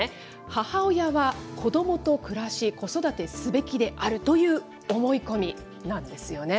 母親は子どもと暮らし、子育てすべきであるという思い込みなんですよね。